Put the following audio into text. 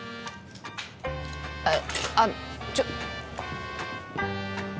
あっあっちょ。